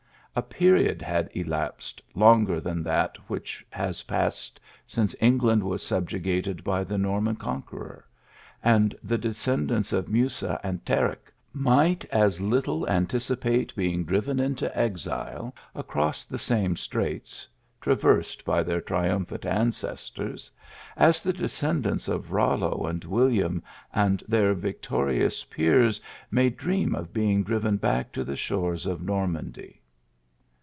A period had elapsed longer than that which has passed since England was subjugated by the Norman conqueror; and the descendants of Musa and Tarik might as little anticipate being driven into exile, across the same straits traversed by their triumphant ancestors, as the descendants of Rollo and William and their victorious peers may dream of being driven back to the shores of Nor mandy.